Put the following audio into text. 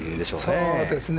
そうですね。